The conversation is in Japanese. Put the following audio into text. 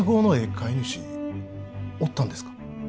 買い主おったんですか？